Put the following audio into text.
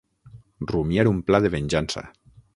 Rumiar un pla de venjança.